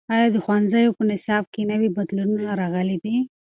ایا د ښوونځیو په نصاب کې نوي بدلونونه راغلي دي؟